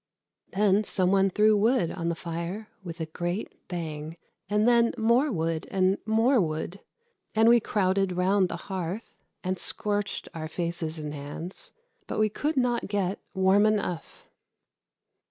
Then some one threw wood on the fire with a great bang, and then more wood and more wood, and we crowded round the hearth and scorched our faces and hands, but we could not get warm enough.